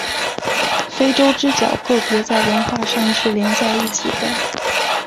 非洲之角各国在文化上是连在一起的。